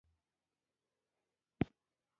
کله به نصيب شي د ښائسته اشنا ديدن زما